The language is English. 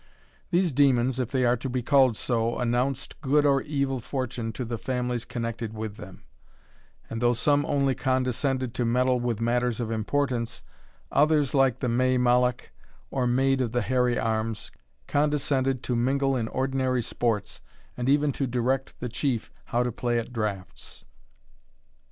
These demons, if they are to be called so, announced good or evil fortune to the families connected with them; and though some only condescended to meddle with matters of importance, others, like the May Mollach, or Maid of the Hairy Arms, condescended to mingle in ordinary sports, and even to direct the Chief how to play at draughts.